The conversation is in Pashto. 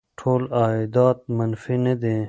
ټول عایدات منفي نه دي.